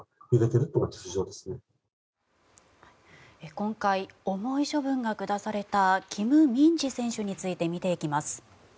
今回、重い処分が下されたキム・ミンジ選手について見ていきます。